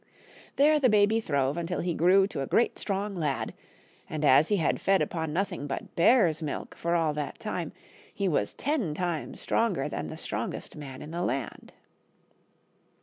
There the baby throve until he grew to a great strong lad, and as he had fed upon nothing but bear's milk for all that time, he was ten times stronger than the strongest man in the land.